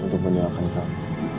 untuk menyewakan kamu